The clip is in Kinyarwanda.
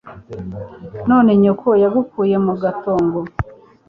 None nyoko yagukuye mu gatongo